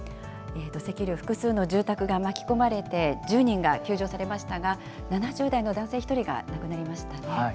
土石流、複数の住宅が巻き込まれて、１０人が救助されましたが、７０代の男性１人が亡くなりましたね。